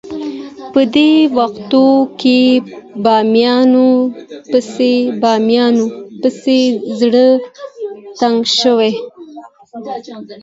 په دې ورځو کې بامیانو پسې زړه تنګ شوی.